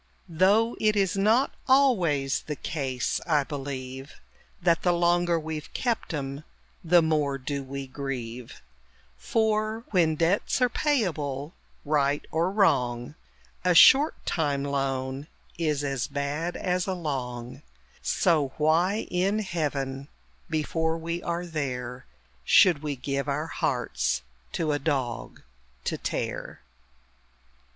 Though it is not always the case, I believe, That the longer we've kept 'em, the more do we grieve: For, when debts are payable, right or wrong, A short time loan is as bad as a long So why in Heaven (before we are there!) Should we give our hearts to a dog to tear?